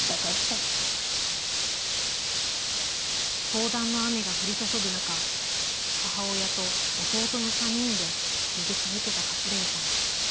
砲弾の雨が降り注ぐ中、母親と弟の３人で逃げ続けた勝連さん。